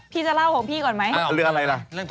จะเล่าของพี่ก่อนไหมเอาเรื่องอะไรล่ะ